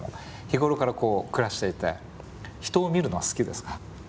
日頃から暮らしていて人を見るのは好きですか？